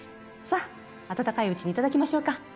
さあ温かいうちに頂きましょうか。